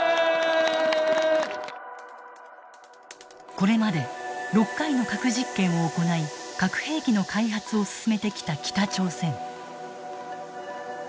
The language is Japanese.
これまで６回の核実験を行い核兵器の開発を進めてきた北朝鮮。